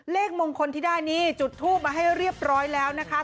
เลขมงคลที่ได้นี่จุดทูปมาให้เรียบร้อยแล้วนะคะ